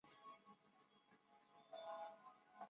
手焊则经常使用烙铁。